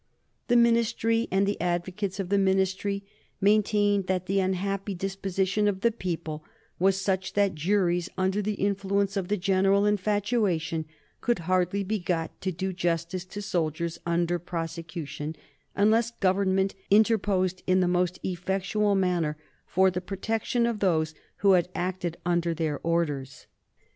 The Ministry and the advocates of the Ministry maintained that the unhappy disposition of the people was such that juries under the influence of the general infatuation could hardly be got to do justice to soldiers under prosecution, unless Government interposed in the most effectual manner for the protection of those who had acted under their orders.